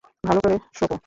ভালো করে শোঁকো।